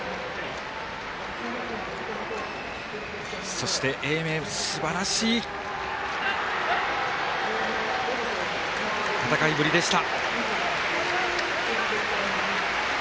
そして、英明すばらしい戦いぶりでした。